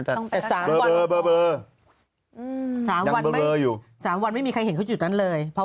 นิยายนิยายศัยศาสตร์นิยายผีอย่างนี้นะ